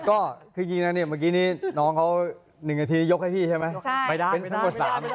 ก็คือจริงนะเนี่ยเมื่อกี้นี้น้องเขา๑นาทียกให้พี่ใช่ไหม